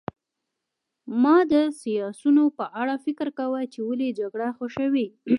ما د سیاسیونو په اړه فکر کاوه چې ولې جګړه خوښوي